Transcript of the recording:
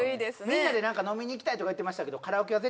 みんなで飲みに行きたいとか言ってましたけど